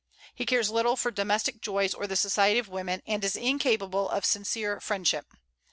He cares little for domestic joys or the society of women, and is incapable of sincere friendship.